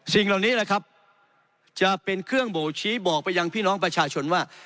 สิ่งเหล่านี้แหละครับจะเป็นเครื่องบ่งชี้บอกไปยังพี่น้องประชาชนว่า